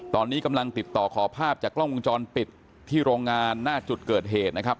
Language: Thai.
ตอนนี้กำลังติดต่อขอภาพจากกล้องวงจรปิดที่โรงงานหน้าจุดเกิดเหตุนะครับ